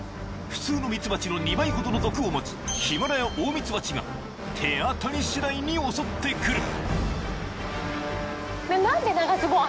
［普通のミツバチの２倍ほどの毒を持つヒマラヤオオミツバチが手当たり次第に襲ってくる］